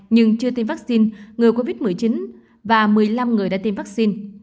nhưng chưa tiêm vaccine ngừa covid một mươi chín và một mươi năm người đã tiêm vaccine